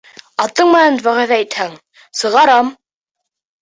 Атың менән вәғәҙә итһәң, сығарам.